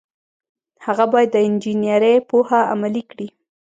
هغه باید د انجنیری پوهه عملي کړي.